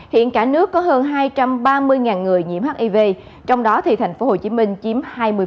hiện cả nước có hơn hai trăm ba mươi người nhiễm hiv trong đó thành phố hồ chí minh chiếm hai mươi